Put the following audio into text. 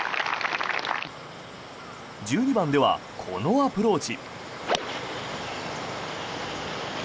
１２番では、このアプローチ。